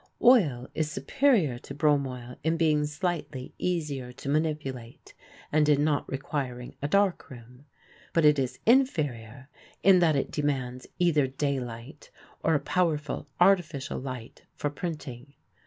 Oil is superior to bromoil in being slightly easier to manipulate and in not requiring a dark room, but it is inferior in that it demands either daylight or a powerful artificial light for printing.